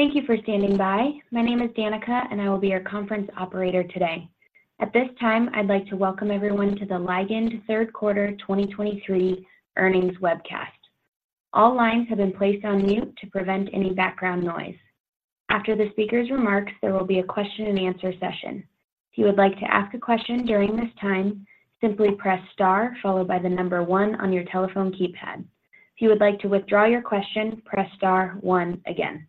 Thank you for standing by. My name is Danica, and I will be your conference operator today. At this time, I'd like to welcome everyone to the Ligand Third Quarter 2023 Earnings Webcast. All lines have been placed on mute to prevent any background noise. After the speaker's remarks, there will be a question and answer session. If you would like to ask a question during this time, simply press star followed by the number 1 on your telephone keypad. If you would like to withdraw your question, press star one again.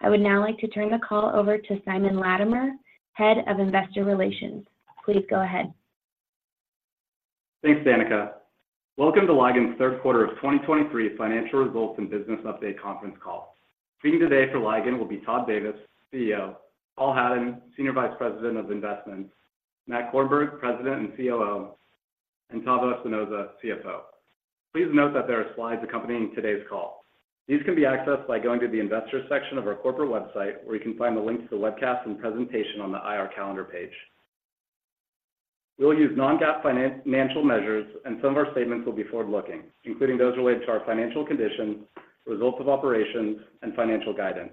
I would now like to turn the call over to Simon Latimer, Head of Investor Relations. Please go ahead. Thanks, Danica. Welcome to Ligand's third quarter of 2023 financial results and business update conference call. Speaking today for Ligand will be Todd Davis, CEO; Paul Hadden, Senior Vice President of Investments; Matt Korenberg, President and COO; and Tavo Espinoza, CFO. Please note that there are slides accompanying today's call. These can be accessed by going to the Investors section of our corporate website, where you can find the links to the webcast and presentation on the IR Calendar page. We'll use non-GAAP financial measures, and some of our statements will be forward-looking, including those related to our financial conditions, results of operations, and financial guidance.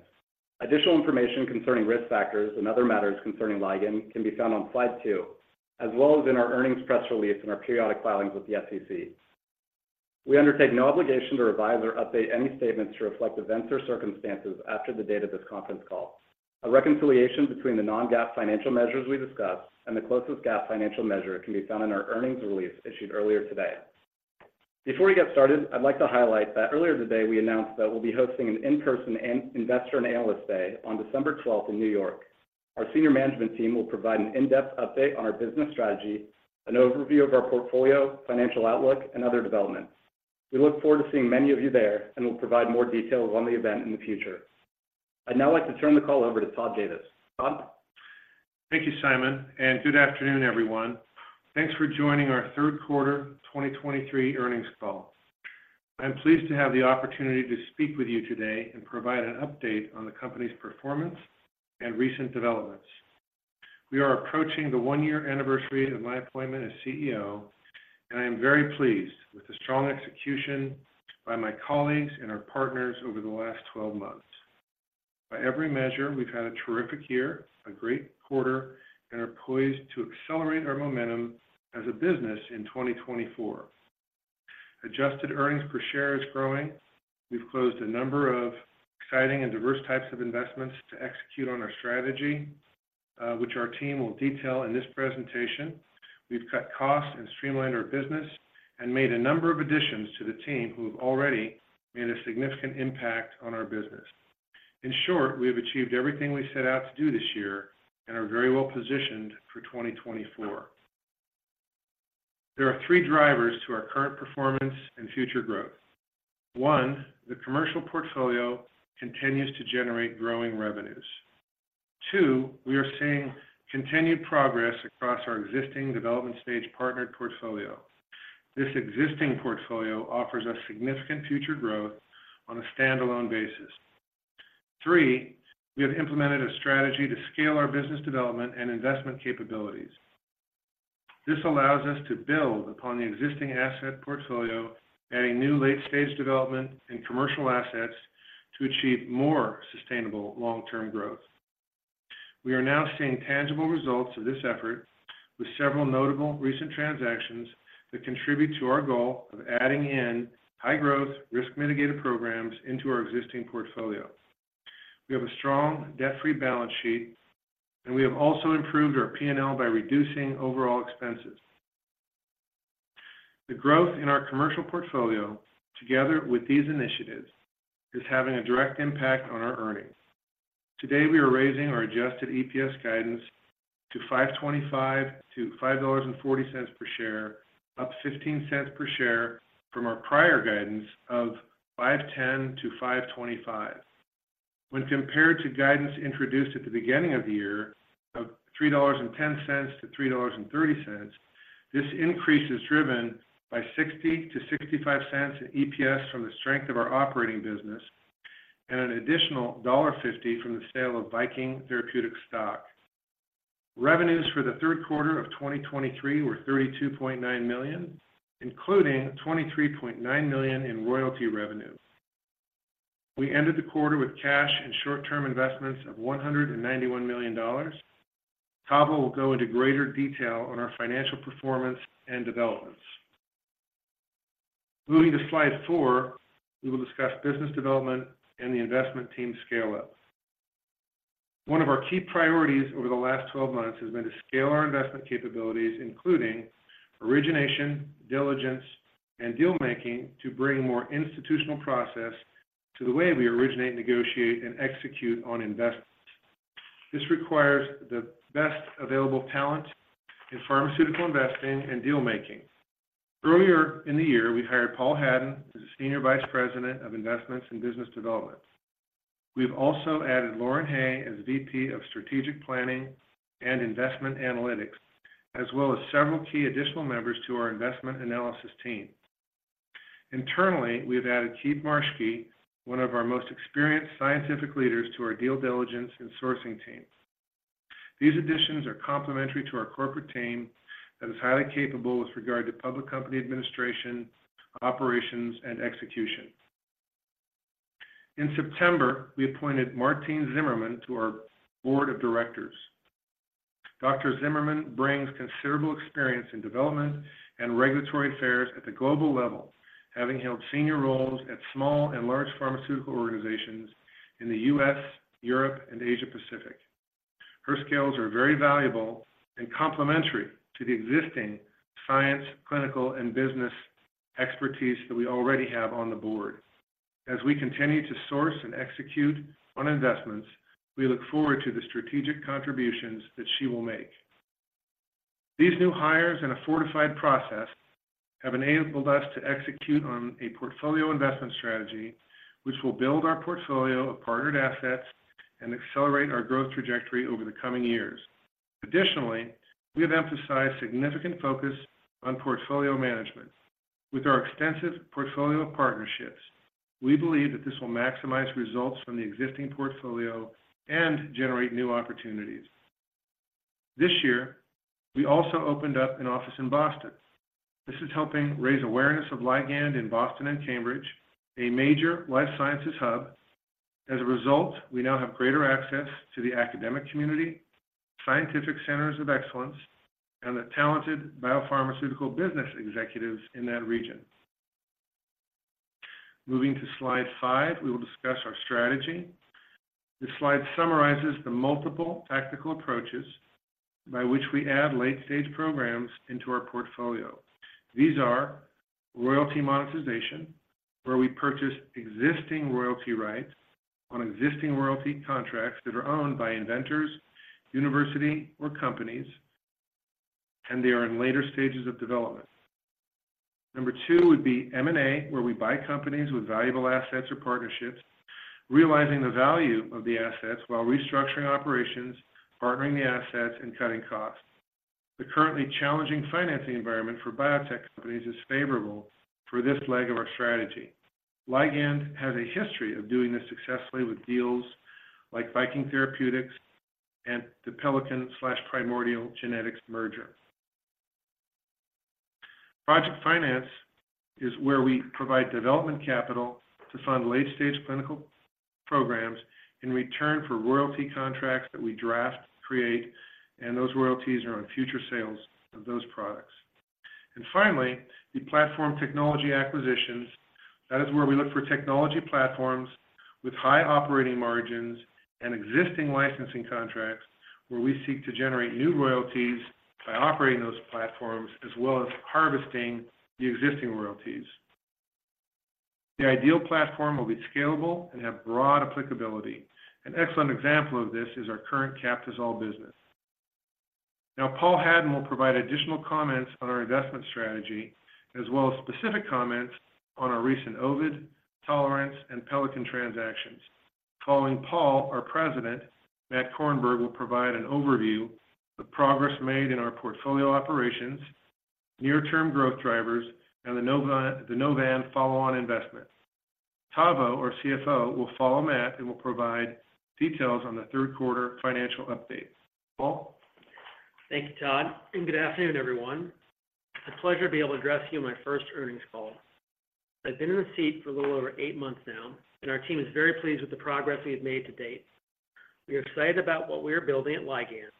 Additional information concerning risk factors and other matters concerning Ligand can be found on slide two, as well as in our earnings press release and our periodic filings with the SEC. We undertake no obligation to revise or update any statements to reflect events or circumstances after the date of this conference call. A reconciliation between the non-GAAP financial measures we discuss and the closest GAAP financial measure can be found in our earnings release issued earlier today. Before we get started, I'd like to highlight that earlier today, we announced that we'll be hosting an in-person investor and analyst day on December 12 in New York. Our senior management team will provide an in-depth update on our business strategy, an overview of our portfolio, financial outlook, and other developments. We look forward to seeing many of you there, and we'll provide more details on the event in the future. I'd now like to turn the call over to Todd Davis. Todd? Thank you, Simon, and good afternoon, everyone. Thanks for joining our third quarter 2023 earnings call. I'm pleased to have the opportunity to speak with you today and provide an update on the company's performance and recent developments. We are approaching the 1-year anniversary of my appointment as CEO, and I am very pleased with the strong execution by my colleagues and our partners over the last 12 months. By every measure, we've had a terrific year, a great quarter, and are poised to accelerate our momentum as a business in 2024. Adjusted earnings per share is growing. We've closed a number of exciting and diverse types of investments to execute on our strategy, which our team will detail in this presentation. We've cut costs and streamlined our business and made a number of additions to the team, who have already made a significant impact on our business. In short, we have achieved everything we set out to do this year and are very well positioned for 2024. There are three drivers to our current performance and future growth. One, the commercial portfolio continues to generate growing revenues. Two, we are seeing continued progress across our existing development stage partnered portfolio. This existing portfolio offers us significant future growth on a standalone basis. Three, we have implemented a strategy to scale our business development and investment capabilities. This allows us to build upon the existing asset portfolio, adding new late-stage development and commercial assets to achieve more sustainable long-term growth. We are now seeing tangible results of this effort with several notable recent transactions that contribute to our goal of adding in high-growth, risk-mitigated programs into our existing portfolio. We have a strong, debt-free balance sheet, and we have also improved our P&L by reducing overall expenses. The growth in our commercial portfolio, together with these initiatives, is having a direct impact on our earnings. Today, we are raising our adjusted EPS guidance to $5.25-$5.40 per share, up $0.15 per share from our prior guidance of $5.10-$5.25. When compared to guidance introduced at the beginning of the year of $3.10-$3.30, this increase is driven by 60-65 cents in EPS from the strength of our operating business and an additional $1.50 from the sale of Viking Therapeutics stock. Revenues for the third quarter of 2023 were $32.9 million, including $23.9 million in royalty revenues. We ended the quarter with cash and short-term investments of $191 million. Tavo will go into greater detail on our financial performance and developments. Moving to slide four, we will discuss business development and the investment team scale-up. One of our key priorities over the last 12 months has been to scale our investment capabilities, including origination, diligence, and deal making, to bring more institutional process to the way we originate, negotiate, and execute on investments. This requires the best available talent in pharmaceutical investing and deal making. Earlier in the year, we hired Paul Hadden as a Senior Vice President of Investments and Business Development. We've also added Lauren Hay as VP of Strategic Planning and Investment Analytics, as well as several key additional members to our investment analysis team. Internally, we've added Keith Marschke, one of our most experienced scientific leaders, to our deal diligence and sourcing teams.... These additions are complementary to our corporate team that is highly capable with regard to public company administration, operations, and execution. In September, we appointed Martine Zimmermann to our Board of Directors. Dr. Zimmermann brings considerable experience in development and regulatory affairs at the global level, having held senior roles at small and large pharmaceutical organizations in the U.S., Europe, and Asia Pacific. Her skills are very valuable and complementary to the existing science, clinical, and business expertise that we already have on the board. As we continue to source and execute on investments, we look forward to the strategic contributions that she will make. These new hires and a fortified process have enabled us to execute on a portfolio investment strategy, which will build our portfolio of partnered assets and accelerate our growth trajectory over the coming years. Additionally, we have emphasized significant focus on portfolio management. With our extensive portfolio of partnerships, we believe that this will maximize results from the existing portfolio and generate new opportunities. This year, we also opened up an office in Boston. This is helping raise awareness of Ligand in Boston and Cambridge, a major life sciences hub. As a result, we now have greater access to the academic community, scientific centers of excellence, and the talented biopharmaceutical business executives in that region. Moving to slide 5, we will discuss our strategy. This slide summarizes the multiple tactical approaches by which we add late-stage programs into our portfolio. These are royalty monetization, where we purchase existing royalty rights on existing royalty contracts that are owned by inventors, university, or companies, and they are in later stages of development. Number 2 would be M&A, where we buy companies with valuable assets or partnerships, realizing the value of the assets while restructuring operations, partnering the assets, and cutting costs. The currently challenging financing environment for biotech companies is favorable for this leg of our strategy. Ligand has a history of doing this successfully with deals like Viking Therapeutics and the Pelican/Primordial Genetics merger. Project finance is where we provide development capital to fund late-stage clinical programs in return for royalty contracts that we draft, create, and those royalties are on future sales of those products. Finally, the platform technology acquisitions. That is where we look for technology platforms with high operating margins and existing licensing contracts, where we seek to generate new royalties by operating those platforms, as well as harvesting the existing royalties. The ideal platform will be scalable and have broad applicability. An excellent example of this is our current Captisol business. Now, Paul Hadden will provide additional comments on our investment strategy, as well as specific comments on our recent Ovid, Tolerance, and Pelican transactions. Following Paul, our President, Matt Korenberg, will provide an overview of progress made in our portfolio operations, near-term growth drivers, and the Novan follow-on investments. Tavo, our CFO, will follow Matt and will provide details on the third quarter financial updates. Paul? Thank you, Todd, and good afternoon, everyone. It's a pleasure to be able to address you on my first earnings call. I've been in this seat for a little over eight months now, and our team is very pleased with the progress we have made to date. We are excited about what we are building at Ligand,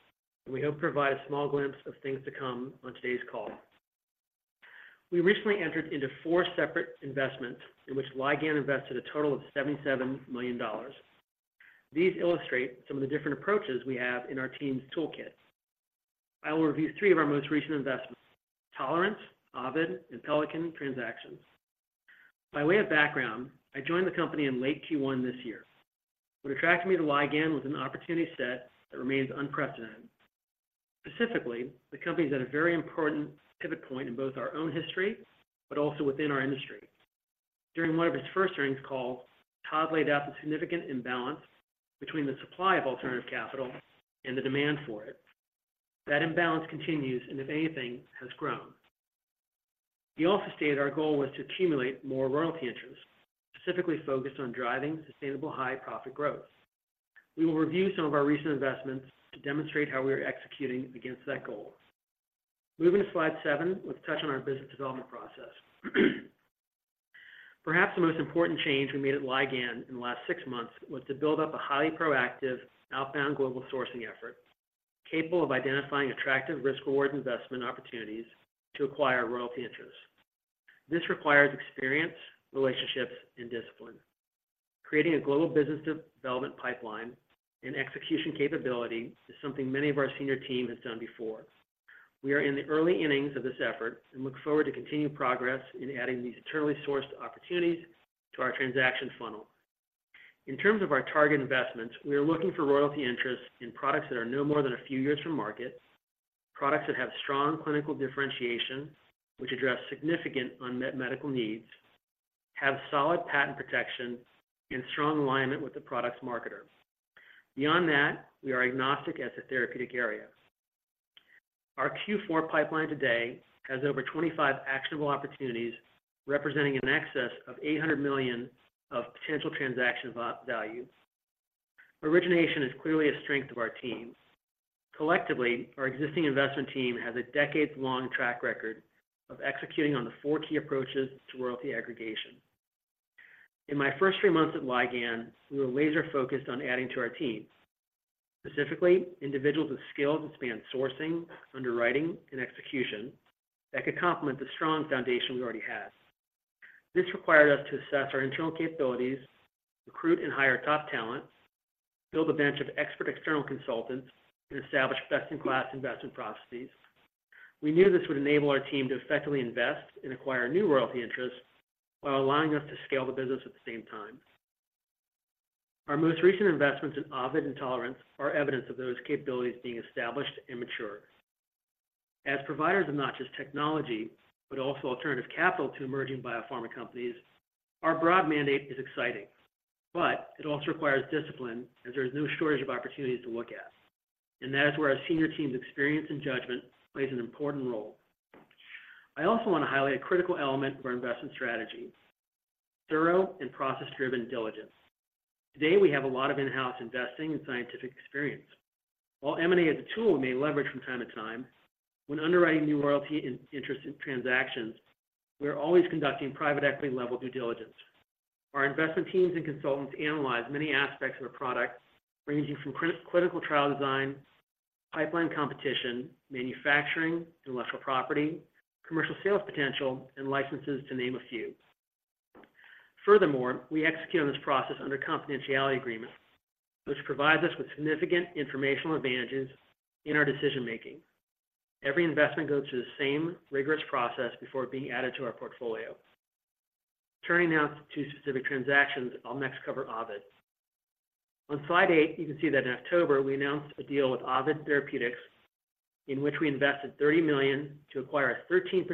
and we hope to provide a small glimpse of things to come on today's call. We recently entered into four separate investments in which Ligand invested a total of $77 million. These illustrate some of the different approaches we have in our team's toolkit. I will review three of our most recent investments: Tolerance, Ovid, and Pelican transactions. By way of background, I joined the company in late Q1 this year. What attracted me to Ligand was an opportunity set that remains unprecedented. Specifically, the company is at a very important pivot point in both our own history but also within our industry. During one of his first earnings calls, Todd laid out the significant imbalance between the supply of alternative capital and the demand for it. That imbalance continues, and if anything, has grown. He also stated our goal was to accumulate more royalty interests, specifically focused on driving sustainable, high-profit growth. We will review some of our recent investments to demonstrate how we are executing against that goal. Moving to slide seven, let's touch on our business development process. Perhaps the most important change we made at Ligand in the last six months was to build up a highly proactive, outbound global sourcing effort, capable of identifying attractive risk-reward investment opportunities to acquire royalty interests. This requires experience, relationships, and discipline. Creating a global business development pipeline and execution capability is something many of our senior team has done before. We are in the early innings of this effort and look forward to continued progress in adding these internally sourced opportunities to our transaction funnel. In terms of our target investments, we are looking for royalty interests in products that are no more than a few years from market, products that have strong clinical differentiation, which address significant unmet medical needs, have solid patent protection, and strong alignment with the product's marketer. Beyond that, we are agnostic as to therapeutic area... Our Q4 pipeline today has over 25 actionable opportunities, representing an excess of $800 million of potential transaction values. Origination is clearly a strength of our teams. Collectively, our existing investment team has a decades-long track record of executing on the four key approaches to royalty aggregation. In my first three months at Ligand, we were laser-focused on adding to our team, specifically individuals with skills that span sourcing, underwriting, and execution, that could complement the strong foundation we already had. This required us to assess our internal capabilities, recruit and hire top talent, build a bench of expert external consultants, and establish best-in-class investment processes. We knew this would enable our team to effectively invest and acquire new royalty interests, while allowing us to scale the business at the same time. Our most recent investments in Ovid and Tolerance are evidence of those capabilities being established and mature. As providers of not just technology, but also alternative capital to emerging biopharma companies, our broad mandate is exciting, but it also requires discipline as there is no shortage of opportunities to look at, and that is where our senior team's experience and judgment plays an important role. I also want to highlight a critical element of our investment strategy: thorough and process-driven diligence. Today, we have a lot of in-house investing and scientific experience. While M&A as a tool may leverage from time to time, when underwriting new royalty in interest in transactions, we are always conducting private equity-level due diligence. Our investment teams and consultants analyze many aspects of a product, ranging from clinical trial design, pipeline competition, manufacturing, intellectual property, commercial sales potential, and licenses, to name a few. Furthermore, we execute on this process under confidentiality agreements, which provides us with significant informational advantages in our decision making. Every investment goes through the same rigorous process before being added to our portfolio. Turning now to specific transactions, I'll next cover Ovid. On slide 8, you can see that in October, we announced a deal with Ovid Therapeutics, in which we invested $30 million to acquire a 13%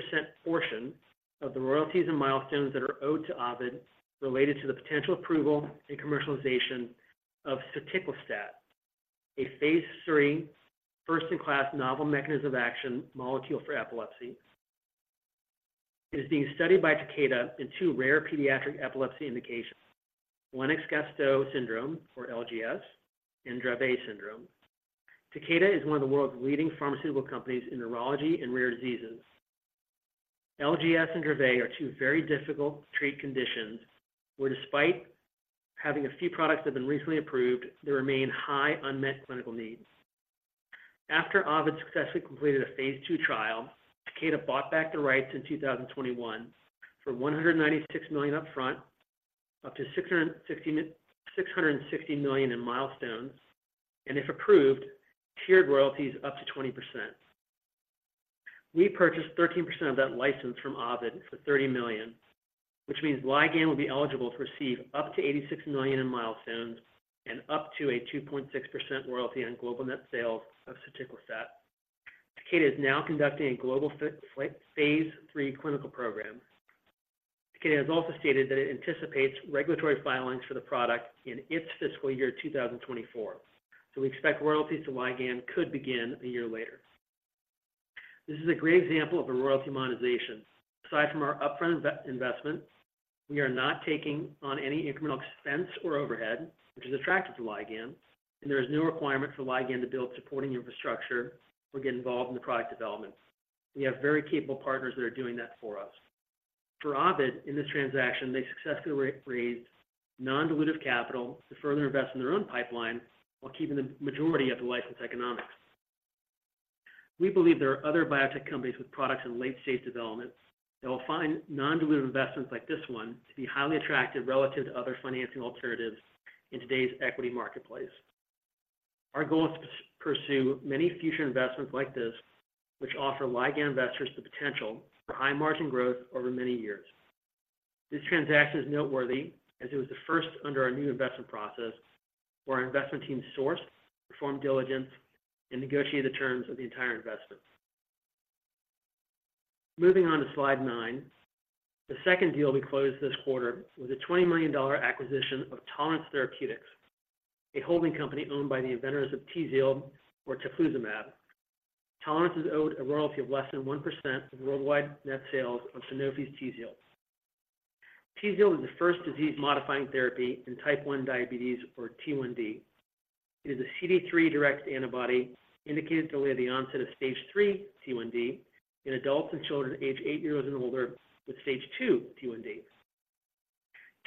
portion of the royalties and milestones that are owed to Ovid, related to the potential approval and commercialization of soticlestat, a phase III, first-in-class novel mechanism of action molecule for epilepsy. It is being studied by Takeda in two rare pediatric epilepsy indications, Lennox-Gastaut syndrome, or LGS, and Dravet syndrome. Takeda is one of the world's leading pharmaceutical companies in neurology and rare diseases. LGS and Dravet are two very difficult rare conditions, where despite having a few products that have been recently approved, there remain high unmet clinical needs. After Ovid successfully completed a phase II trial, Takeda bought back the rights in 2021 for $196 million upfront, up to $660 million in milestones, and if approved, tiered royalties up to 20%. We purchased 13% of that license from Ovid for $30 million, which means Ligand will be eligible to receive up to $86 million in milestones and up to a 2.6% royalty on global net sales of soticlestat. Takeda is now conducting a global phase III clinical program. Takeda has also stated that it anticipates regulatory filings for the product in its fiscal year 2024. So we expect royalties to Ligand could begin a year later. This is a great example of a royalty monetization. Aside from our upfront investment, we are not taking on any incremental expense or overhead, which is attractive to Ligand, and there is no requirement for Ligand to build supporting infrastructure or get involved in the product development. We have very capable partners that are doing that for us. For Ovid, in this transaction, they successfully raised non-dilutive capital to further invest in their own pipeline while keeping the majority of the license economics. We believe there are other biotech companies with products in late-stage development that will find non-dilutive investments like this one to be highly attractive relative to other financing alternatives in today's equity marketplace. Our goal is to pursue many future investments like this, which offer Ligand investors the potential for high margin growth over many years. This transaction is noteworthy as it was the first under our new investment process, where our investment team sourced, performed diligence, and negotiated the terms of the entire investment. Moving on to slide nine, the second deal we closed this quarter was a $20 million acquisition of Tolerance Therapeutics, a holding company owned by the inventors of TZIELD, or teplizumab. Tolerance is owed a royalty of less than 1% of worldwide net sales on Sanofi's TZIELD. TZIELD is the first disease-modifying therapy in type one diabetes, or T1D. It is a CD3-directed antibody indicated to delay the onset of stage three T1D in adults and children aged eight years and older with stage two T1D.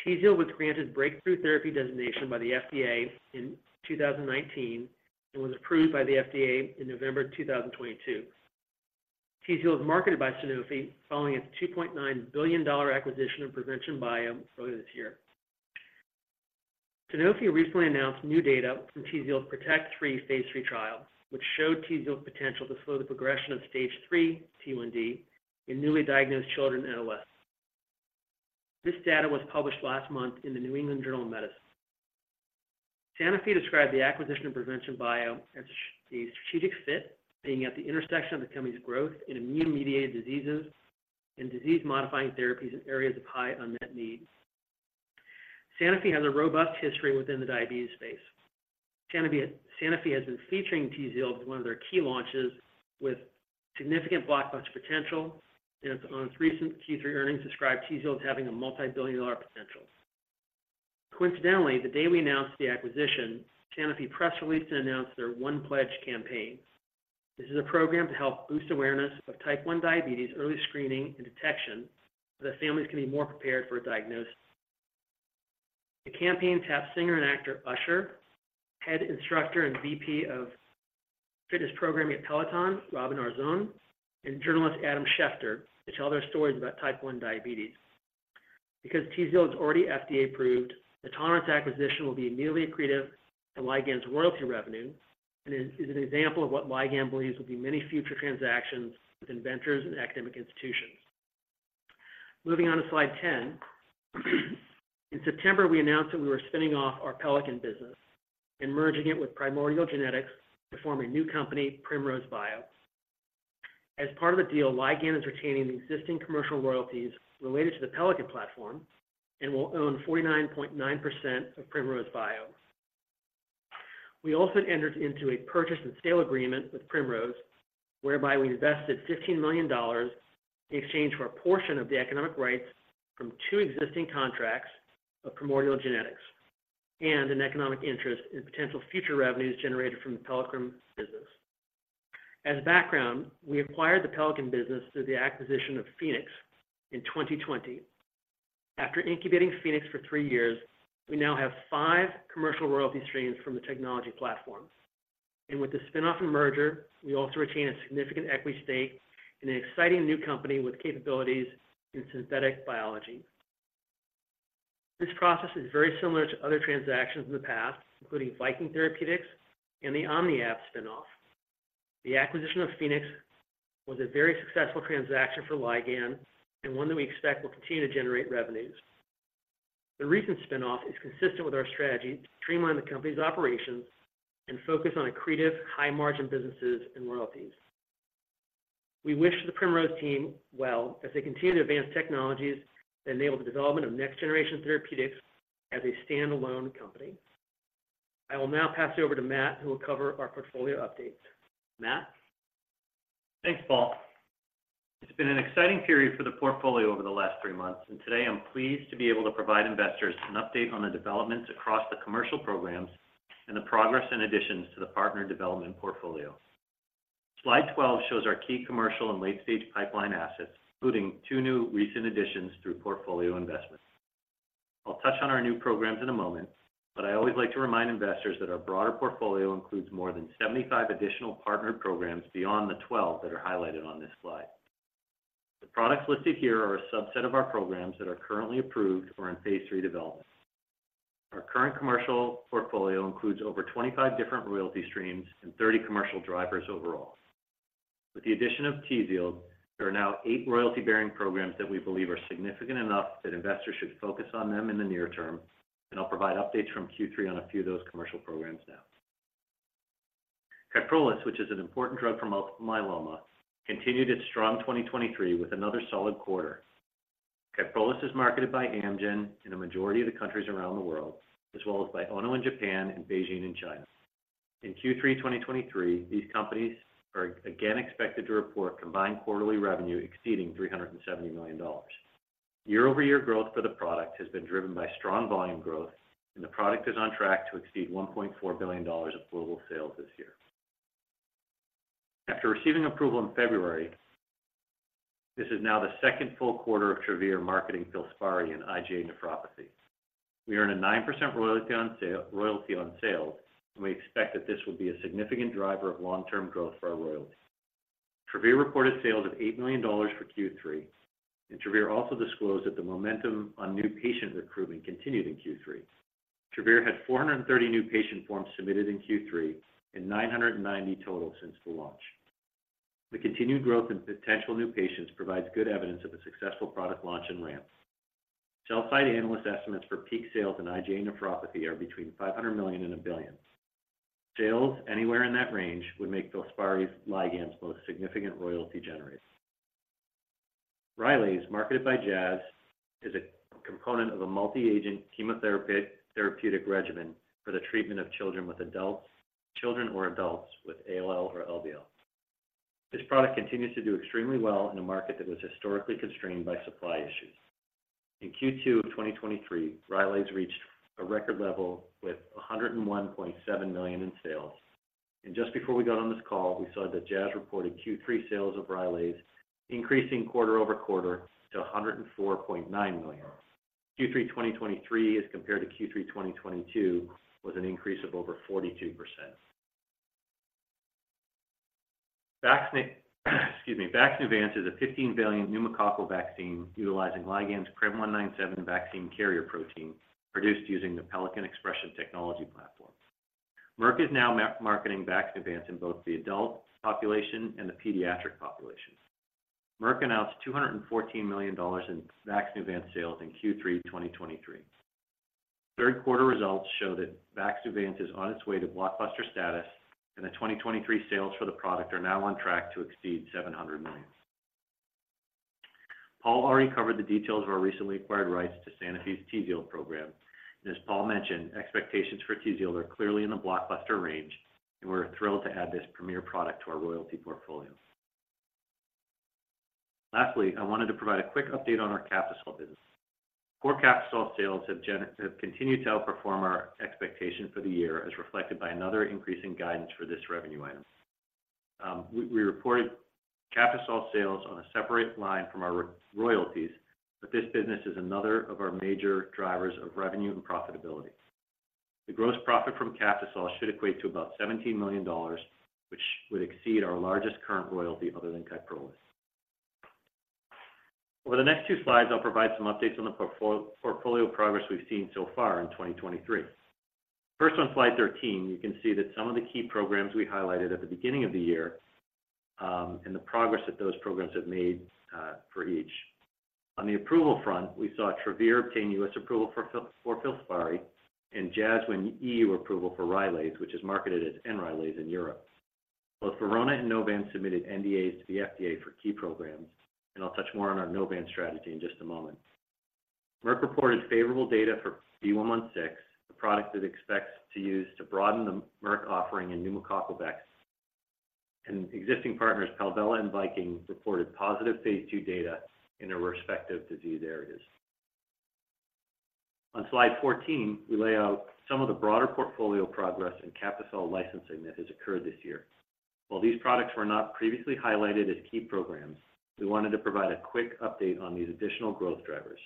TZIELD was granted breakthrough therapy designation by the FDA in 2019 and was approved by the FDA in November 2022. TZIELD is marketed by Sanofi, following its $2.9 billion acquisition of Provention Bio earlier this year. Sanofi recently announced new data from TZIELD's PROTECT Phase III trials, which showed TZIELD's potential to slow the progression of stage III T1D in newly diagnosed children in OS. This data was published last month in the New England Journal of Medicine. Sanofi described the acquisition of Provention Bio as a strategic fit, being at the intersection of the company's growth in immune-mediated diseases and disease-modifying therapies in areas of high unmet needs.... Sanofi has a robust history within the diabetes space. Sanofi has been featuring TZIELD as one of their key launches with significant blockbuster potential, and on its recent Q3 earnings, described TZIELD as having a multi-billion-dollar potential. Coincidentally, the day we announced the acquisition, Sanofi press released and announced their The 1 Pledge campaign. This is a program to help boost awareness of type one diabetes, early screening and detection, so that families can be more prepared for a diagnosis. The campaign taps singer and actor Usher, head instructor and VP of fitness programming at Peloton, Robin Arzón, and journalist Adam Schefter, to tell their stories about type one diabetes. Because TZIELD is already FDA approved, the tolerance acquisition will be immediately accretive to Ligand's royalty revenue and is an example of what Ligand believes will be many future transactions with inventors and academic institutions. Moving on to slide 10. In September, we announced that we were spinning off our Pelican business and merging it with Primordial Genetics to form a new company, Primrose Bio. As part of the deal, Ligand is retaining the existing commercial royalties related to the Pelican platform and will own 49.9% of Primrose Bio. We also entered into a purchase and sale agreement with Primrose, whereby we invested $15 million in exchange for a portion of the economic rights from two existing contracts of Primordial Genetics, and an economic interest in potential future revenues generated from the Pelican business. As background, we acquired the Pelican business through the acquisition of Pfenex in 2020. After incubating Pfenex for three years, we now have five commercial royalty streams from the technology platforms. With the spin-off and merger, we also retain a significant equity stake in an exciting new company with capabilities in synthetic biology. This process is very similar to other transactions in the past, including Viking Therapeutics and the OmniAb spin-off. The acquisition of Pfenex was a very successful transaction for Ligand, and one that we expect will continue to generate revenues. The recent spin-off is consistent with our strategy to streamline the company's operations and focus on accretive, high-margin businesses and royalties. We wish the Primrose team well, as they continue to advance technologies that enable the development of next-generation therapeutics as a standalone company. I will now pass it over to Matt, who will cover our portfolio updates. Matt? Thanks, Paul. It's been an exciting period for the portfolio over the last 3 months, and today I'm pleased to be able to provide investors an update on the developments across the commercial programs and the progress and additions to the partner development portfolio. Slide 12 shows our key commercial and late-stage pipeline assets, including 2 new recent additions through portfolio investments. I'll touch on our new programs in a moment, but I always like to remind investors that our broader portfolio includes more than 75 additional partnered programs beyond the 12 that are highlighted on this slide. The products listed here are a subset of our programs that are currently approved or in Phase III development. Our current commercial portfolio includes over 25 different royalty streams and 30 commercial drivers overall. With the addition of TZIELD, there are now eight royalty-bearing programs that we believe are significant enough that investors should focus on them in the near term, and I'll provide updates from Q3 on a few of those commercial programs now. Kyprolis, which is an important drug for multiple myeloma, continued its strong 2023 with another solid quarter. Kyprolis is marketed by Amgen in a majority of the countries around the world, as well as by Ono in Japan and BeiGene in China. In Q3 2023, these companies are again expected to report combined quarterly revenue exceeding $370 million. Year-over-year growth for the product has been driven by strong volume growth, and the product is on track to exceed $1.4 billion of global sales this year. After receiving approval in February, this is now the second full quarter of Travere marketing Filspari in IgA nephropathy. We earn a 9% royalty on sale-- royalty on sales, and we expect that this will be a significant driver of long-term growth for our royalties. Travere reported sales of $8 million for Q3, and Travere also disclosed that the momentum on new patient recruitment continued in Q3. Travere had 430 new patient forms submitted in Q3 and 990 total since the launch. The continued growth in potential new patients provides good evidence of a successful product launch and ramp. Sell-side analyst estimates for peak sales in IgA nephropathy are between $500 million and $1 billion. Sales anywhere in that range would make Filspari Ligand's most significant royalty generator. Rylaze, marketed by Jazz, is a component of a multi-agent chemotherapy therapeutic regimen for the treatment of children or adults with ALL or LBL. This product continues to do extremely well in a market that was historically constrained by supply issues. In Q2 of 2023, Rylaze reached a record level with $101.7 million in sales, and just before we got on this call, we saw that Jazz reported Q3 sales of Rylaze, increasing quarter-over-quarter to $104.9 million. Q3 2023 as compared to Q3 2022 was an increase of over 42%. Excuse me. Vaxnuvance is a 15-valent pneumococcal vaccine utilizing Ligand's CRM197 vaccine carrier protein, produced using the Pelican Expression Technology platform. Merck is now marketing Vaxnuvance in both the adult population and the pediatric population. Merck announced $214 million in Vaxnuvance sales in Q3 2023. Third quarter results show that Vaxnuvance is on its way to blockbuster status, and the 2023 sales for the product are now on track to exceed $700 million. Paul already covered the details of our recently acquired rights to Sanofi's TZIELD program. As Paul mentioned, expectations for TZIELD are clearly in the blockbuster range, and we're thrilled to add this premier product to our royalty portfolio. Lastly, I wanted to provide a quick update on our Captisol business. Core Captisol sales have continued to outperform our expectations for the year, as reflected by another increase in guidance for this revenue item. We reported Captisol sales on a separate line from our royalties, but this business is another of our major drivers of revenue and profitability. The gross profit from Captisol should equate to about $17 million, which would exceed our largest current royalty other than Kyprolis. Over the next two slides, I'll provide some updates on the portfolio progress we've seen so far in 2023. First, on Slide 13, you can see that some of the key programs we highlighted at the beginning of the year and the progress that those programs have made for each. On the approval front, we saw Travere obtain US approval for Filspari and Jazz win EU approval for Rylaze, which is marketed as Enrylaze in Europe. Both Verona and Novan submitted NDAs to the FDA for key programs, and I'll touch more on our Novan strategy in just a moment. Merck reported favorable data for V116, a product it expects to use to broaden the Merck offering in pneumococcal Vax. Existing partners, Palvella and Viking, reported positive phase 2 data in their respective disease areas. On Slide 14, we lay out some of the broader portfolio progress in Captisol licensing that has occurred this year. While these products were not previously highlighted as key programs, we wanted to provide a quick update on these additional growth drivers.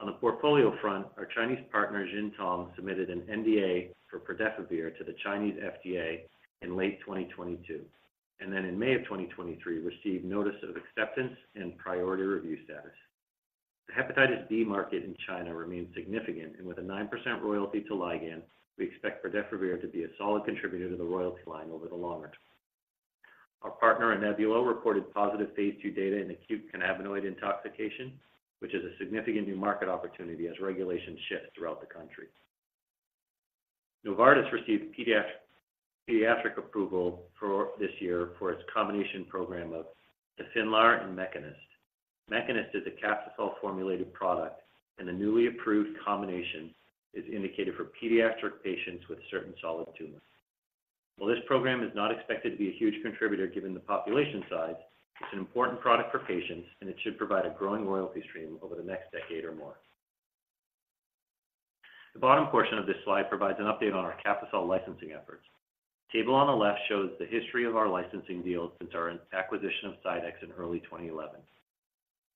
On the portfolio front, our Chinese partner, Sintom, submitted an NDA for pradefovir to the Chinese FDA in late 2022, and then in May of 2023, received notice of acceptance and priority review status. The hepatitis B market in China remains significant, and with a 9% royalty to Ligand, we expect pradefovir to be a solid contributor to the royalty line over the long run. Our partner, Anebul, reported positive phase 2 data in acute cannabinoid intoxication, which is a significant new market opportunity as regulation shifts throughout the country. Novartis received pediatric approval for this year for its combination program of Tafinlar and Mekinist. Mekinist is a Captisol-formulated product, and the newly approved combination is indicated for pediatric patients with certain solid tumors. While this program is not expected to be a huge contributor, given the population size, it's an important product for patients, and it should provide a growing royalty stream over the next decade or more. The bottom portion of this slide provides an update on our Captisol licensing efforts. Table on the left shows the history of our licensing deals since our acquisition of CyDex in early 2011.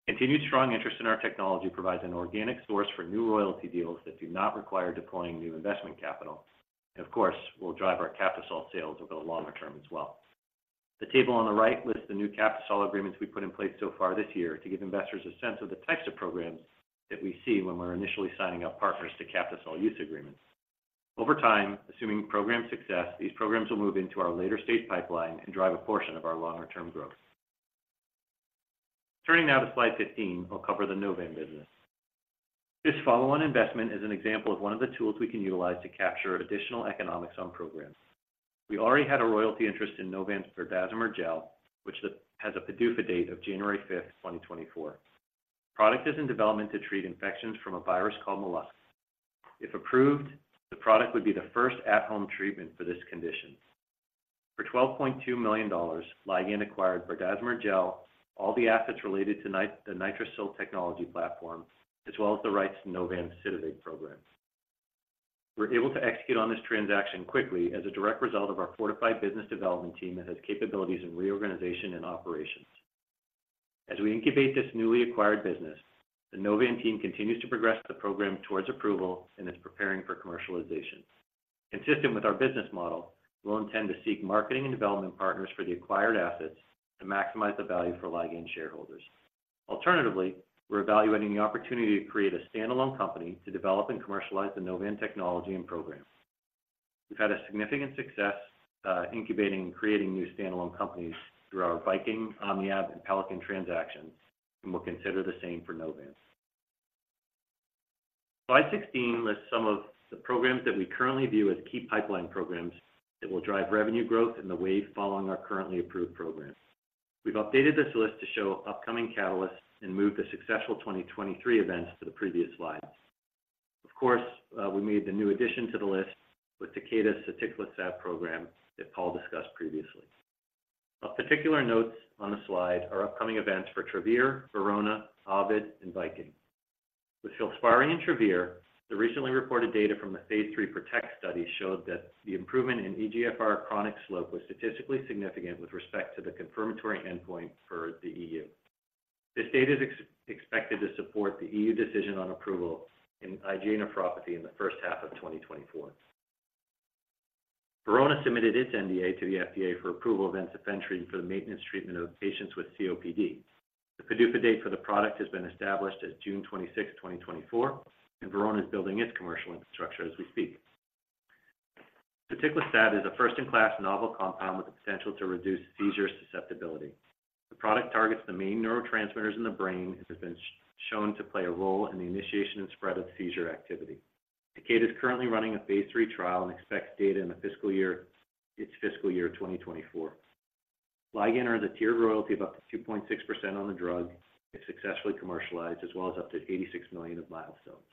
Continued strong interest in our technology provides an organic source for new royalty deals that do not require deploying new investment capital, and of course, will drive our Captisol sales over the longer term as well. The table on the right lists the new Captisol agreements we've put in place so far this year to give investors a sense of the types of programs that we see when we're initially signing up partners to Captisol use agreements. Over time, assuming program success, these programs will move into our later-stage pipeline and drive a portion of our longer-term growth. Turning now to Slide 15, I'll cover the Novan business. This follow-on investment is an example of one of the tools we can utilize to capture additional economics on programs. We already had a royalty interest in Novan's berdazimer gel, which has a PDUFA date of January 5, 2024. The product is in development to treat infections from a virus called molluscum. If approved, the product would be the first at-home treatment for this condition. For $12.2 million, Ligand acquired berdazimer gel, all the assets related to the NITRICIL technology platform, as well as the rights to Novan's Sitavig programs. We're able to execute on this transaction quickly as a direct result of our fortified business development team that has capabilities in reorganization and operations. As we incubate this newly acquired business, the Novan team continues to progress the program towards approval and is preparing for commercialization. Consistent with our business model, we'll intend to seek marketing and development partners for the acquired assets to maximize the value for Ligand shareholders. Alternatively, we're evaluating the opportunity to create a standalone company to develop and commercialize the Novan technology and programs. We've had a significant success incubating and creating new standalone companies through our Viking, OmniAb, and Pelican transactions, and we'll consider the same for Novan. Slide 16 lists some of the programs that we currently view as key pipeline programs that will drive revenue growth in the wave following our currently approved programs. We've updated this list to show upcoming catalysts and moved the successful 2023 events to the previous slides. Of course, we made the new addition to the list with Takeda's soticlestat program that Paul discussed previously. Of particular note on the slide are upcoming events for Travere, Verona, Ovid, and Viking. With Filspari and Travere, the recently reported data from the Phase 3 Protect study showed that the improvement in EGFR chronic slope was statistically significant with respect to the confirmatory endpoint for the EU. This data is expected to support the EU decision on approval in IgA nephropathy in the first half of 2024. Verona submitted its NDA to the FDA for approval of ensifentrine for the maintenance treatment of patients with COPD. The PDUFA date for the product has been established as June 26, 2024, and Verona is building its commercial infrastructure as we speak. Soticlestat is a first-in-class novel compound with the potential to reduce seizure susceptibility. The product targets the main neurotransmitters in the brain, and has been shown to play a role in the initiation and spread of seizure activity. Takeda is currently running a phase III trial and expects data in the fiscal year, its fiscal year 2024. Ligand earned a tiered royalty of up to 2.6% on the drug if successfully commercialized, as well as up to $86 million of milestones.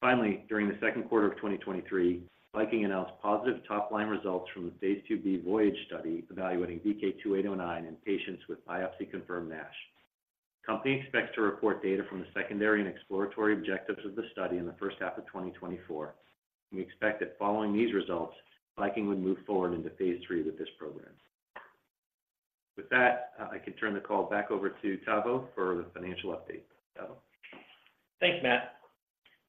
Finally, during the second quarter of 2023, Viking announced positive top-line results from the Phase IIb VOYAGE study evaluating VK2809 in patients with biopsy-confirmed NASH. The company expects to report data from the secondary and exploratory objectives of the study in the first half of 2024. We expect that following these results, Viking would move forward into Phase III with this program. With that, I can turn the call back over to Tavo for the financial update. Tavo? Thanks, Matt.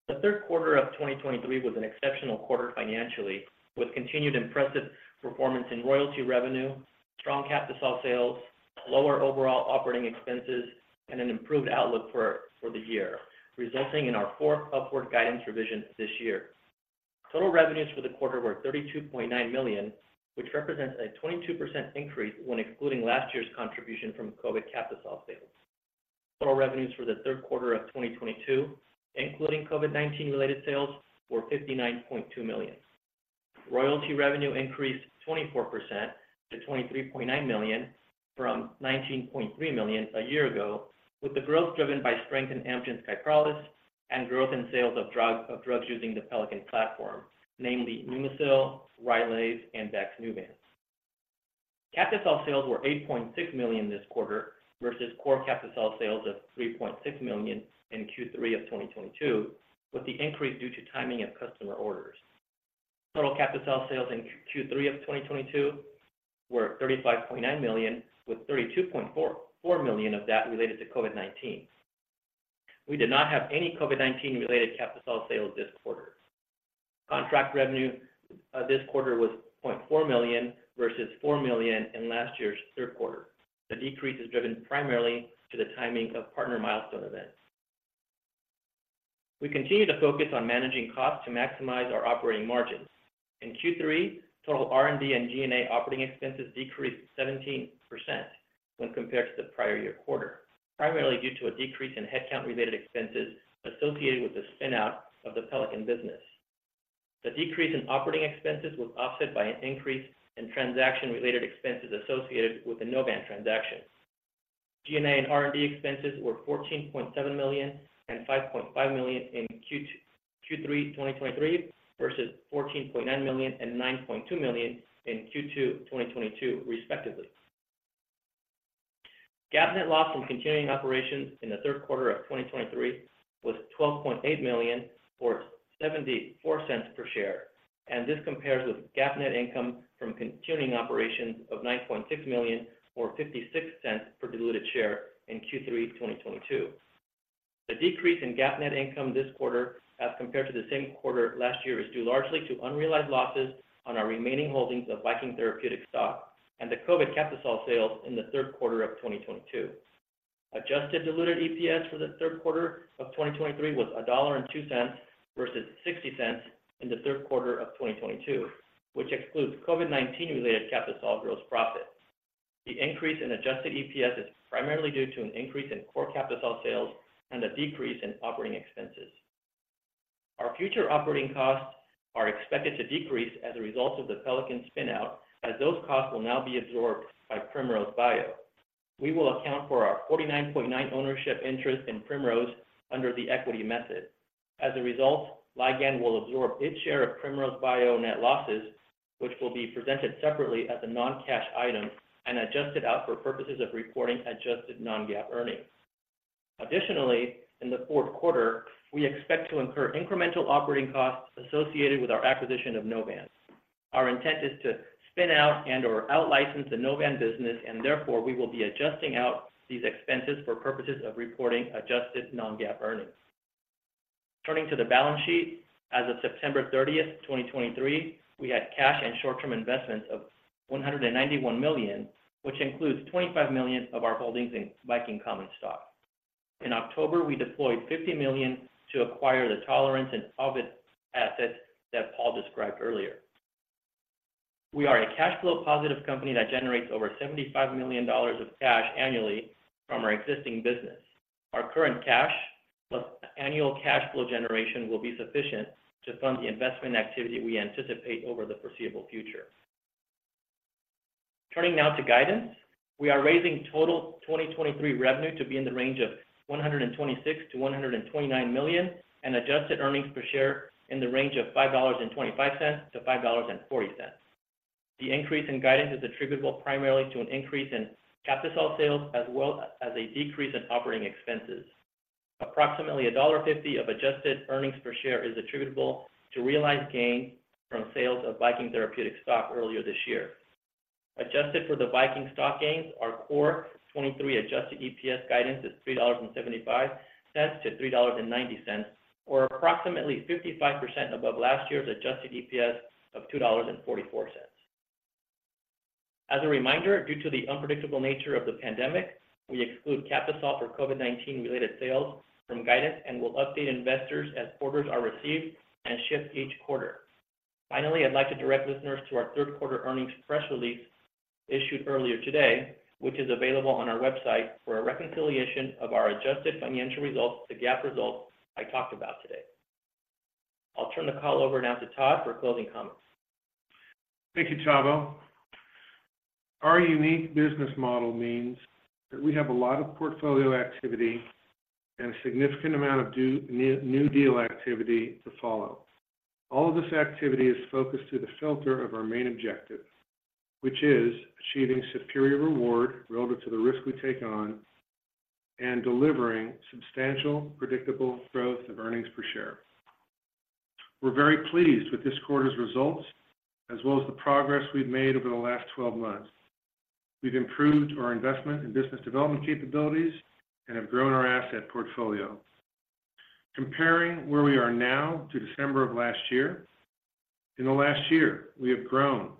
The third quarter of 2023 was an exceptional quarter financially, with continued impressive performance in royalty revenue, strong Captisol sales, lower overall operating expenses, and an improved outlook for the year, resulting in our fourth upward guidance revision this year. Total revenues for the quarter were $32.9 million, which represents a 22% increase when excluding last year's contribution from COVID Captisol sales. Total revenues for the third quarter of 2022, including COVID-19 related sales, were $59.2 million. Royalty revenue increased 24% to $23.9 million from $19.3 million a year ago, with the growth driven by strength in Amgen's Kyprolis and growth in sales of drugs using the Pelican platform, namely Pneumosil, RYLAZE, and Vaxnuvance. Captisol sales were $8.6 million this quarter versus core Captisol sales of $3.6 million in Q3 of 2022, with the increase due to timing of customer orders. Total Captisol sales in Q3 of 2022 were $35.9 million, with $32.44 million of that related to COVID-19. We did not have any COVID-19 related Captisol sales this quarter. Contract revenue this quarter was $0.4 million versus $4 million in last year's third quarter. The decrease is driven primarily to the timing of partner milestone events. We continue to focus on managing costs to maximize our operating margins. In Q3, total R&D and G&A operating expenses decreased 17% when compared to the prior year quarter, primarily due to a decrease in headcount-related expenses associated with the spin-out of the Pelican business. The decrease in operating expenses was offset by an increase in transaction-related expenses associated with the Novan transaction. G&A and R&D expenses were $14.7 million and $5.5 million in Q3 2023, versus $14.9 million and $9.2 million in Q2 2022, respectively. GAAP net loss from continuing operations in the third quarter of 2023 was $12.8 million, or $0.74 per share, and this compares with GAAP net income from continuing operations of $9.6 million, or $0.56 per diluted share in Q3 2022. The decrease in GAAP net income this quarter as compared to the same quarter last year is due largely to unrealized losses on our remaining holdings of Viking Therapeutics stock and the COVID Captisol sales in the third quarter of 2022. Adjusted diluted EPS for the third quarter of 2023 was $1.02 versus $0.60 in the third quarter of 2022, which excludes COVID-19-related Captisol gross profit. The increase in adjusted EPS is primarily due to an increase in core Captisol sales and a decrease in operating expenses. Our future operating costs are expected to decrease as a result of the Pelican spin-out, as those costs will now be absorbed by Primrose Bio. We will account for our 49.9% ownership interest in Primrose under the equity method. As a result, Ligand will absorb its share of Primrose Bio net losses, which will be presented separately as a non-cash item and adjusted out for purposes of reporting adjusted non-GAAP earnings. Additionally, in the fourth quarter, we expect to incur incremental operating costs associated with our acquisition of Novan. Our intent is to spin out and/or out-license the Novan business, and therefore, we will be adjusting out these expenses for purposes of reporting adjusted non-GAAP earnings. Turning to the balance sheet, as of September 30, 2023, we had cash and short-term investments of $191 million, which includes $25 million of our holdings in Viking common stock. In October, we deployed $50 million to acquire the Tolerance and Ovid assets that Paul described earlier. We are a cash flow positive company that generates over $75 million of cash annually from our existing business. Our current cash, plus annual cash flow generation, will be sufficient to fund the investment activity we anticipate over the foreseeable future. Turning now to guidance, we are raising total 2023 revenue to be in the range of $126 million-$129 million, and adjusted earnings per share in the range of $5.25-$5.40. The increase in guidance is attributable primarily to an increase in Captisol sales, as well as a decrease in operating expenses. Approximately $1.50 of adjusted earnings per share is attributable to realized gains from sales of Viking Therapeutics stock earlier this year. Adjusted for the Viking stock gains, our core 2023 adjusted EPS guidance is $3.75-$3.90, or approximately 55% above last year's adjusted EPS of $2.44. As a reminder, due to the unpredictable nature of the pandemic, we exclude Captisol for COVID-19-related sales from guidance and will update investors as orders are received and shipped each quarter. Finally, I'd like to direct listeners to our third quarter earnings press release issued earlier today, which is available on our website for a reconciliation of our adjusted financial results to GAAP results I talked about today. I'll turn the call over now to Todd for closing comments. Thank you, Tavo. Our unique business model means that we have a lot of portfolio activity and a significant amount of new deal activity to follow. All of this activity is focused through the filter of our main objective, which is achieving superior reward relative to the risk we take on and delivering substantial, predictable growth of earnings per share. We're very pleased with this quarter's results, as well as the progress we've made over the last 12 months. We've improved our investment and business development capabilities and have grown our asset portfolio. Comparing where we are now to December of last year, in the last year, we have grown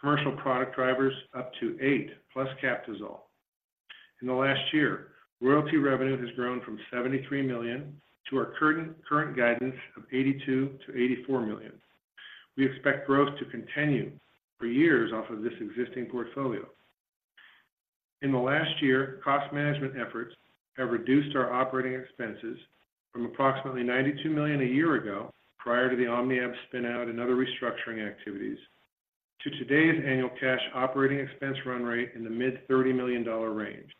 commercial product drivers up to 8, plus Captisol. In the last year, royalty revenue has grown from $73 million to our current guidance of $82 million-$84 million. We expect growth to continue for years off of this existing portfolio. In the last year, cost management efforts have reduced our operating expenses from approximately $92 million a year ago, prior to the OmniAb spin-out and other restructuring activities, to today's annual cash operating expense run rate in the mid-$30 million range.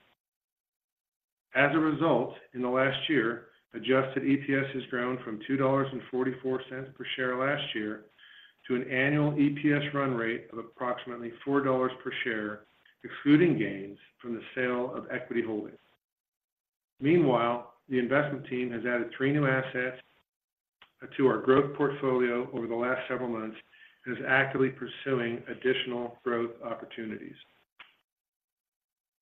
As a result, in the last year, adjusted EPS has grown from $2.44 per share last year to an annual EPS run rate of approximately $4 per share, excluding gains from the sale of equity holdings. Meanwhile, the investment team has added three new assets, to our growth portfolio over the last several months and is actively pursuing additional growth opportunities.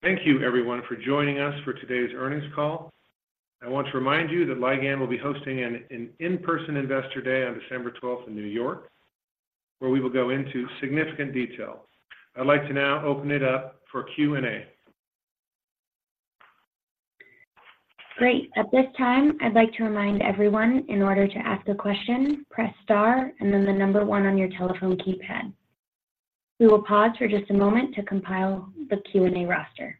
Thank you, everyone, for joining us for today's earnings call. I want to remind you that Ligand will be hosting an in-person Investor Day on December twelfth in New York, where we will go into significant detail. I'd like to now open it up for Q&A. Great. At this time, I'd like to remind everyone, in order to ask a question, press star and then the number one on your telephone keypad. We will pause for just a moment to compile the Q&A roster.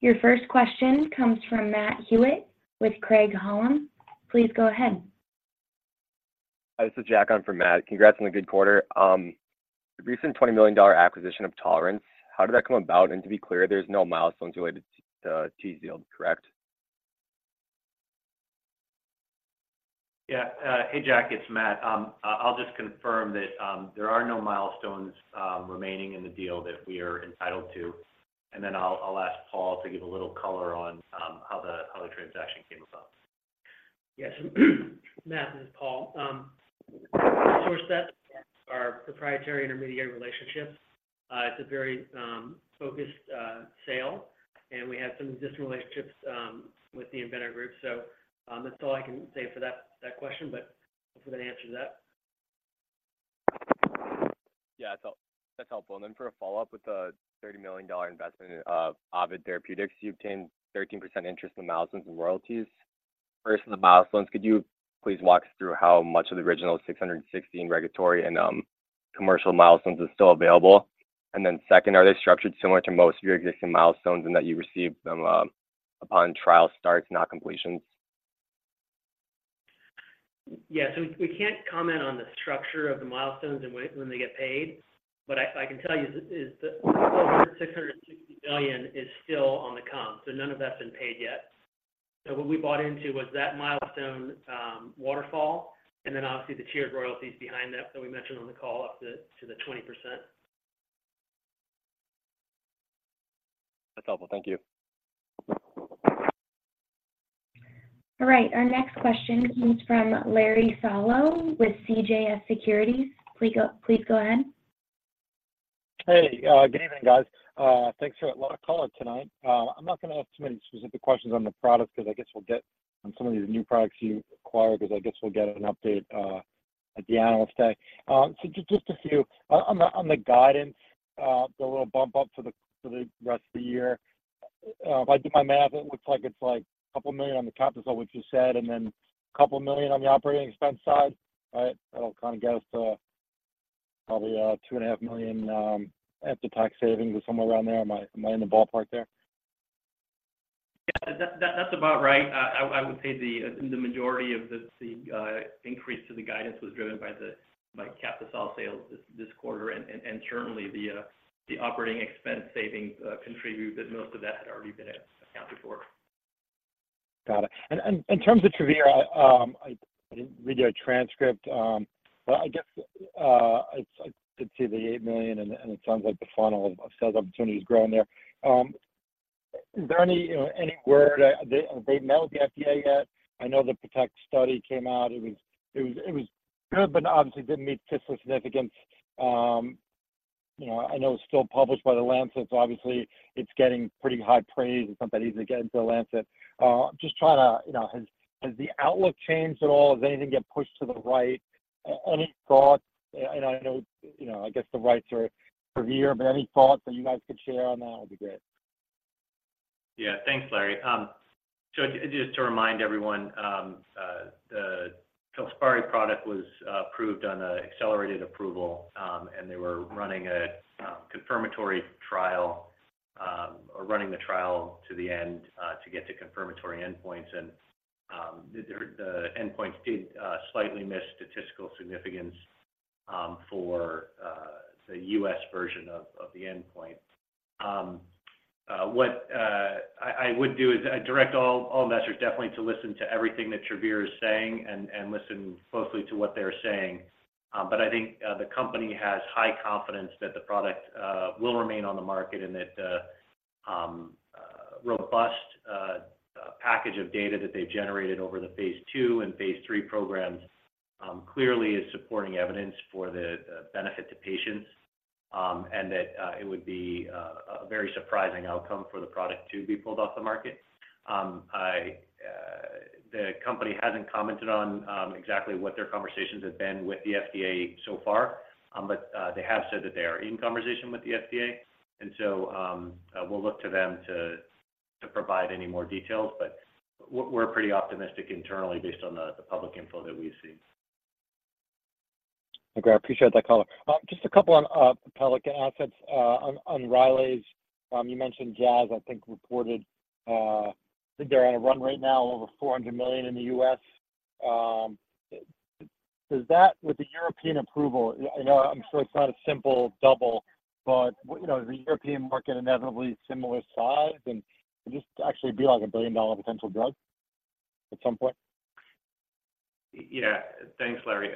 Your first question comes from Matt Hewett with Craig-Hallum. Please go ahead. Hi, this is Jack on for Matt. Congrats on the good quarter. The recent $20 million acquisition of Tolerance, how did that come about? And to be clear, there's no milestones related to TZIELD, correct? Yeah, hey, Jack, it's Matt. I'll just confirm that there are no milestones remaining in the deal that we are entitled to. And then I'll ask Paul to give a little color on how the transaction came about. Yes. Matt, this is Paul. Source set are proprietary intermediary relationships. It's a very focused sale, and we have some existing relationships with the inventor group. So, that's all I can say for that, that question, but hopefully, that answers that. Yeah, that's, that's helpful. Then for a follow-up, with the $30 million investment in Ovid Therapeutics, you obtained 13% interest in milestones and royalties. First, on the milestones, could you please walk us through how much of the original 660 in regulatory and commercial milestones is still available? And then second, are they structured similar to most of your existing milestones and that you receive them upon trial starts, not completions? Yes, we can't comment on the structure of the milestones and when they get paid, but I can tell you is the $660 million is still on the come, so none of that's been paid yet. So what we bought into was that milestone waterfall, and then obviously, the tiered royalties behind that that we mentioned on the call up to 20%. That's helpful. Thank you. All right. Our next question comes from Larry Solow with CJS Securities. Please go, please go ahead. Hey, good evening, guys. Thanks for a lot of color tonight. I'm not going to ask too many specific questions on the products, because I guess we'll get on some of these new products you acquired, because I guess we'll get an update at the Analyst Day. So just a few. On the guidance, the little bump up for the rest of the year, if I do my math, it looks like it's like $2 million on the Captisol, which you said, and then $2 million on the operating expense side, right? That'll kind of get us to probably $2.5 million after-tax savings or somewhere around there. Am I in the ballpark there? Yeah, that's about right. I would say the majority of the increase to the guidance was driven by Captisol sales this quarter, and certainly the operating expense savings contribute, but most of that had already been accounted for. Got it. And in terms of Travere, I didn't read your transcript, but I guess, I could see the $8 million, and it sounds like the funnel of sales opportunity is growing there. Is there any, you know, any word, have they met with the FDA yet? I know the Protect study came out. It was good, but obviously didn't meet statistical significance. You know, I know it's still published by The Lancet, so obviously it's getting pretty high praise. It's not that easy to get into The Lancet. Just trying to... You know, has the outlook changed at all? Has anything get pushed to the right? Any thoughts? And I know, you know, I guess the rights are Travere, but any thoughts that you guys could share on that would be great.... Yeah, thanks, Larry. So just to remind everyone, the Filspari product was approved on an accelerated approval, and they were running a confirmatory trial, or running the trial to the end, to get to confirmatory endpoints. And, the endpoints did slightly miss statistical significance, for the U.S. version of the endpoint. What I would do is I'd direct all investors definitely to listen to everything that Travere is saying and listen closely to what they're saying. But I think the company has high confidence that the product will remain on the market and that robust package of data that they've generated over the phase two and phase three programs clearly is supporting evidence for the benefit to patients. And that it would be a very surprising outcome for the product to be pulled off the market. The company hasn't commented on exactly what their conversations have been with the FDA so far, but they have said that they are in conversation with the FDA. And so we'll look to them to provide any more details, but we're pretty optimistic internally based on the public info that we've seen. Okay. I appreciate that color. Just a couple on Pelican assets. On RYLAZE, you mentioned Jazz, I think, reported, I think they're on a run right now, over $400 million in the U.S. Does that with the European approval - I know, I'm sure it's not a simple double, but, you know, the European market inevitably similar size, and would this actually be, like, a billion-dollar potential drug at some point? Yeah. Thanks, Larry.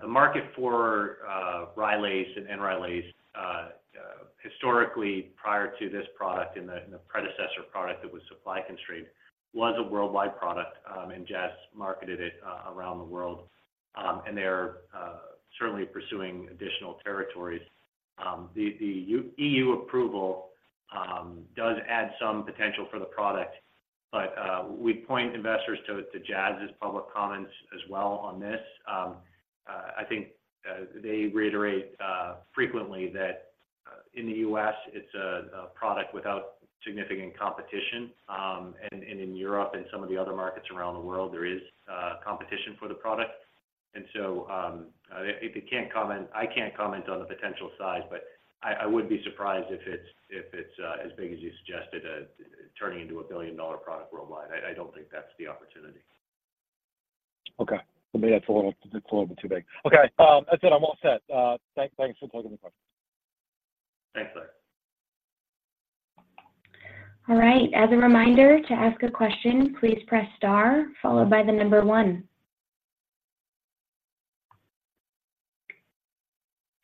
The market for RYLAZE and NRYLAZE historically, prior to this product and the predecessor product that was supply constrained, was a worldwide product, and Jazz marketed it around the world. And they're certainly pursuing additional territories. The EU approval does add some potential for the product, but we'd point investors to Jazz's public comments as well on this. I think they reiterate frequently that in the U.S., it's a product without significant competition, and in Europe and some of the other markets around the world, there is competition for the product. And so, I can't comment—I can't comment on the potential size, but I would be surprised if it's as big as you suggested, turning into a billion-dollar product worldwide. I don't think that's the opportunity. Okay. Maybe that's a little bit too big. Okay, that's it. I'm all set. Thanks for taking the question. Thanks, Larry. All right. As a reminder, to ask a question, please press star followed by the number 1.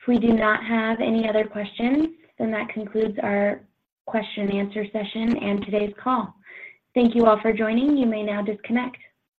If we do not have any other questions, then that concludes our question and answer session and today's call. Thank you all for joining. You may now disconnect.